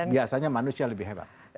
biasanya manusia lebih hebat